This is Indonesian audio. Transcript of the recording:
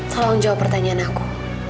tolong jawab pertanyaan aku